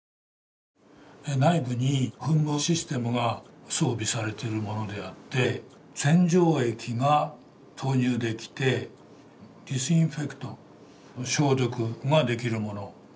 内部に噴霧システムが装備されているものであって洗浄液が投入できて「ｄｉｓｉｎｆｅｃｔ」消毒ができるものって書かれてる。